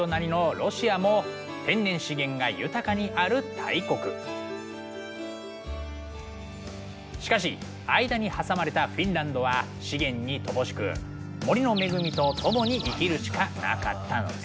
東隣のしかし間に挟まれたフィンランドは資源に乏しく森の恵みとともに生きるしかなかったのね。